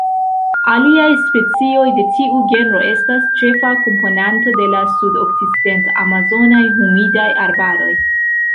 Aliaj specioj de tiu genro estas ĉefa komponanto de la sudokcident-amazonaj humidaj arbaroj.